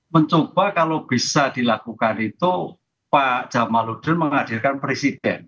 mencoba kalau bisa dilakukan itu pak jamaluddin menghadirkan presiden